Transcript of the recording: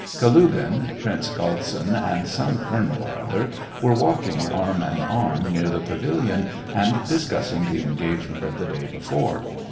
Kalugin, Prince Galtsin, and some colonel or other were walking arm in arm near the pavilion, and discussing the engagement of the day before.